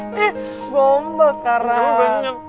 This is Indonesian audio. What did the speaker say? ihh bombe sekarang